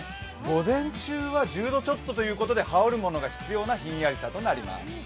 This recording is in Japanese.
午前中は１０度ちょっとということで、羽織るものが必要なひんやりさとなります。